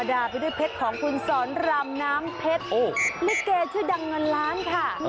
ดาไปด้วยเพชรของคุณสอนรามน้ำเพชรลิเกชื่อดังเงินล้านค่ะ